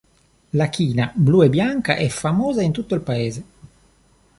La china blu e bianca è famosa in tutto il Paese.